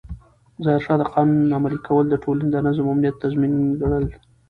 ظاهرشاه د قانون عملي کول د ټولنې د نظم او امنیت تضمین ګڼل.